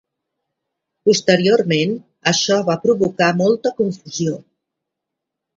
Posteriorment, això va provocar molta confusió.